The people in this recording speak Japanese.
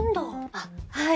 あっはい。